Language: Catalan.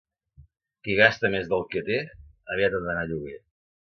Qui gasta més del que té, aviat ha d'anar a lloguer.